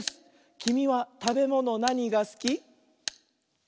「きみはたべものなにがすき？」